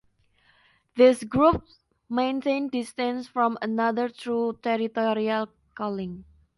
These groups maintain distance from one another through territorial calling.